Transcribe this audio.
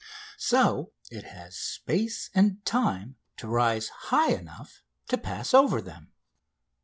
So it has space and time to rise high enough to pass over them.